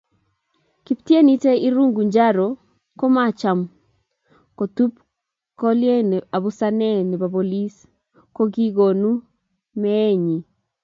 Kiptieninte Irungu Njaro komacham kotup kolenei abusanee ne bo polis ko kikonu mee nyii.